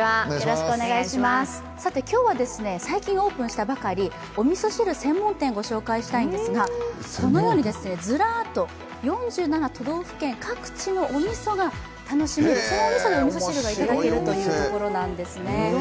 今日は最近オープンしたばかりおみそ汁専門店、ご紹介したいんですが、このようにずらっと４７都道府県各地のおみそが楽しめる、そのおみそでおみそ汁が楽しめるという。